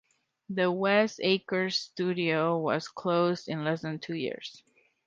The West Acres studio was closed in less than two years.